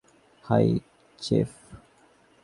High, Jeff.